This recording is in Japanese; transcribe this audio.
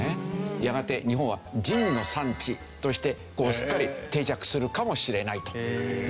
やがて日本はジンの産地としてすっかり定着するかもしれないという事ですね。